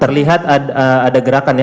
terlihat ada gerakan ya